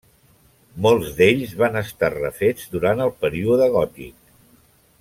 Molts d'ells van estar refets durant el període gòtic.